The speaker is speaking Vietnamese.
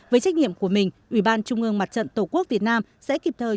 với trách nhiệm của mình ủy ban trung ương mặt trận tổ quốc việt nam sẽ kịp thời